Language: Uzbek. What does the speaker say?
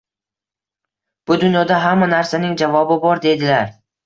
Bu dunyoda hamma narsaning javobi bor deydilar.